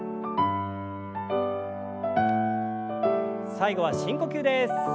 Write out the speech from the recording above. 最後は深呼吸です。